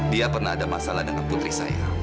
dia pernah ada masalah dengan putri saya